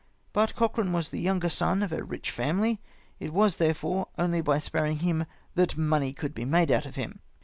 But Cochrane was the younger son of a rich family ; it was, therefore, only by sparing him that money could he made out of Mm.